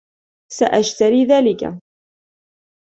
سأشتري ذلك.